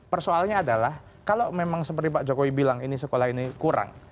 persoalnya adalah kalau memang seperti pak jokowi bilang ini sekolah ini kurang